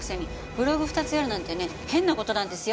ブログ２つやるなんてね変な事なんですよ。